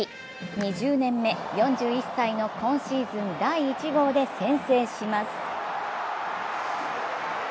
２０年目、４１歳の今シーズン第１号で先制します。